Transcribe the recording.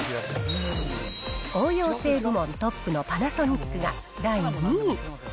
応用性部門トップのパナソニックが第２位。